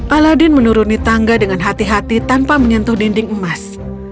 aladin menuruni tangga dengan hati hati tanpa menyentuh dinding emas